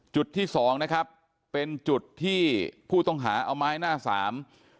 จุดที่สองนะครับเป็นจุดที่ผู้ต้องหาเอาไม้หน้าสาม